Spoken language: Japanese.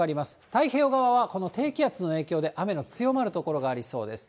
太平洋側は、この低気圧の影響で雨の強まる所がありそうです。